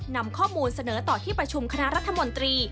นำข้อมูลเสนอต่อที่ประชุมคณะรัฐมนตรี